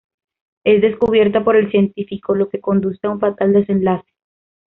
Es descubierta por el científico, lo que conduce a un fatal desenlace.